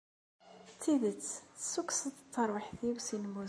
D tidet! Tessukkseḍ-d tarwiḥt-iw si lmut.